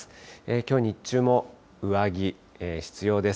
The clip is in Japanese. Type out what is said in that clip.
きょう日中も上着、必要です。